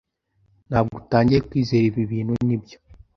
Ntabwo utangiye kwizera ibi bintu, nibyo?